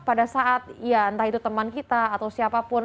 pada saat ya entah itu teman kita atau siapapun